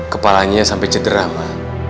kepalanya sampai cedera ma